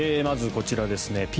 まずこちらですね。